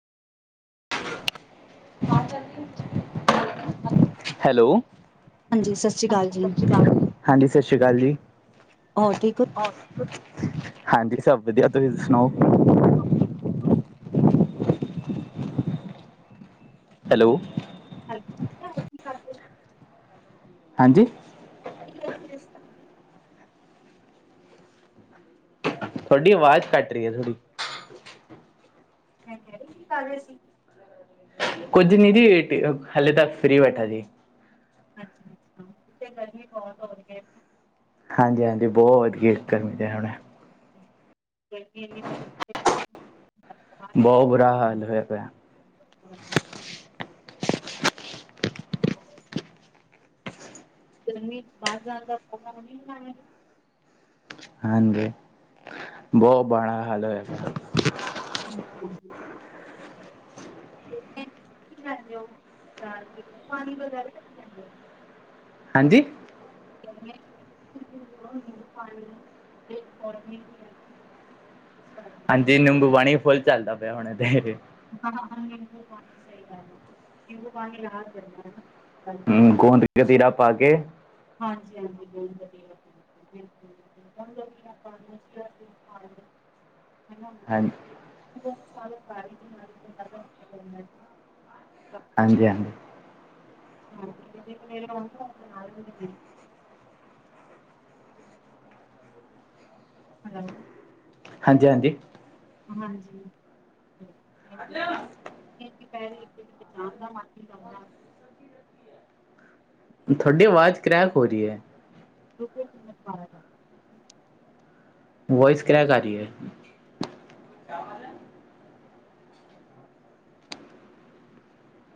ਬਾਹਰ ਚਲੀਏ ਹੈਲੋ ਹਾਂਜੀ ਸਤਿ ਸ਼੍ਰੀ ਅਕਾਲ ਜੀ ਹੋਰ ਠੀਕ ਹੋ? [inaudible] ਹਾਂਜੀ ਸਭ ਵਧੀਆ ਤੁਸੀਂ ਸੁਣਾਓ ਹੈਲੋ [inaudible] ਕੀ ਕਰਦੇ। ਹੈ ਜੀ ਠੀਕ ਤੁਹਾਡੀ ਆਵਾਜ਼ ਕੱਟ ਰਹੀ ਥੋੜ੍ਹੀ ਮੈਂ ਕਹਿ ਰਹੀ ਕੀ ਕਰ ਰਹੇ ਸੀ ਕੁੱਝ ਨੀ ਜੀ ਹਲੇ ਤੇ ਫ੍ਰਰੀ ਬੈਠਾ ਜੀ ਅੱਛਾ ਅੱਛਾ ਇਥੇ ਗਰਮੀ ਬਹੁਤ ਹੋ ਗਈ ਹਾਂਜੀ ਹਾਂਜੀ ਬਹੁਤ ਵਧੀਆ ਗਰਮੀ ਤੇ ਹੁਣ ਗਰਮੀ ਐਨੀ ਸਾਰੀ ਹ ਬਹੁਤ ਬੁਰਾ ਹਾਲ ਹੋਇਆ ਪਿਆ ਗਰਮੀ [inaudible] ਹਾਂਜੀ ਬਹੁਤ ਮਾੜਾ ਹਾਲ ਹੋਏਗਾ। [inaudible] ਹਾਂਜੀ [inaudible] ਪਾਣੀ ਹਾਂਜੀ ਨਿੰਬੂ ਪਾਣੀ ਚੱਲਦਾ ਪਿਆ ਹੁਣੇ ਤੇ ਹਾਂ ਨਿੰਬੂ ਪਾਣੀ ਸਹੀ ਗੱਲ ਐ ਨਿੰਬੂ ਪਾਣੀ [inaudible] ਹੂੰ ਗੂੰਦ ਕਚੀਰਾਂ ਪਾ ਕੇ ਹਾਂਜੀ ਹਾਂਜੀ ਬਹੁਤ ਵਧੀਆ ਹਨਾ। ਹਾਂਜੀ [inaudible] ਹਾਂਜੀ ਹਾਂਜੀ [inaudible] ਹੂੰ ਹੈਲੋ। ਹਾਂਜੀ-ਹਾਂਜੀ। ਹਾਂਜੀ। ਦੁਪਹਿਰੇ ਜਾਣ ਦਾ ਮਨ ਹੀ ਕਰਦਾ ਤੁਹਾਡੀ ਆਵਾਜ਼ ਕਰੈਕ ਹੋ ਰਹੀ ਹੈ। [inaudible] ਵੋਇਸ ਕਰ੍ਰੈਕ ਆ ਰਹੀ ਹੈ